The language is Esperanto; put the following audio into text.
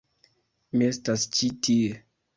Mi estas ĉi tie